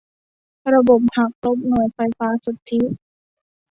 ระบบหักลบหน่วยไฟฟ้าสุทธิ